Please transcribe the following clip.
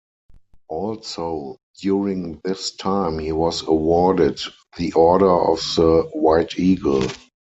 Also during this time he was awarded the Order of the White Eagle.